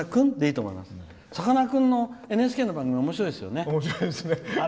さかなクンのＮＨＫの番組おもしろいですよね。